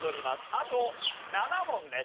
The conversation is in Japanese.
あと７問です。